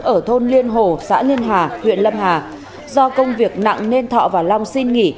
ở thôn liên hồ xã liên hà huyện lâm hà do công việc nặng nên thọ và long xin nghỉ